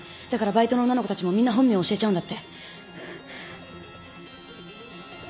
だからバイトの女の子たちもみんな本名を教えちゃうんだって。